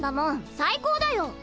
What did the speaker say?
最高だよ。